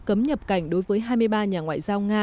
cấm nhập cảnh đối với hai mươi ba nhà ngoại giao nga